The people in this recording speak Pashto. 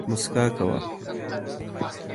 موسکا کوه